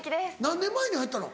何年前に入ったの？